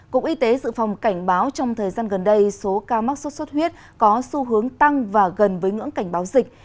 cục y tế dự phòng cảnh báo trong thời gian gần đây số ca mắc sốt xuất huyết có xu hướng tăng và gần với ngưỡng cảnh báo dịch